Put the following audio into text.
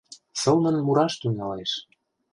Сылнын мураш тӱҥалеш.